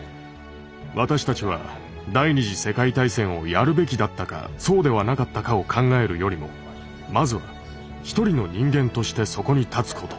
私たちは第２次世界大戦をやるべきだったかそうではなかったかを考えるよりもまずは一人の人間としてそこに立つこと。